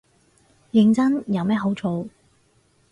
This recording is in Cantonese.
認真，有咩好做